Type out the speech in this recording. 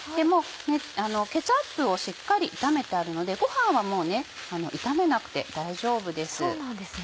もうケチャップをしっかり炒めてあるのでご飯はもう炒めなくて大丈夫です。